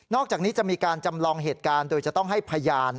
อกจากนี้จะมีการจำลองเหตุการณ์โดยจะต้องให้พยาน